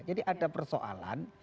jadi ada persoalan